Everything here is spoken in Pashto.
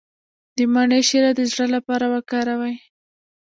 د مڼې شیره د زړه لپاره وکاروئ